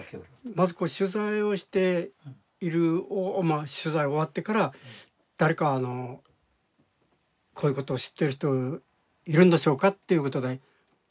まず取材をしている取材を終わってから誰かこういうことを知ってる人いるんでしょうかということで。